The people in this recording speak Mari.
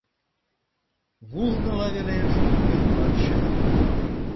Вулныла велеш йӱр пырче.